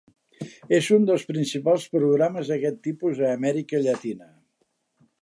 És un dels principals programes d'aquest tipus a Amèrica Llatina.